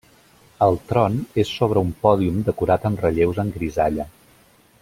El tron és sobre un pòdium decorat amb relleus en grisalla.